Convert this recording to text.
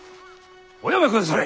おやめくだされ！